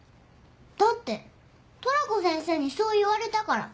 だってトラコ先生にそう言われたから。